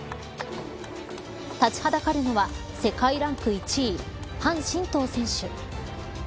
立ちはだかるのは世界ランク１位樊振東選手。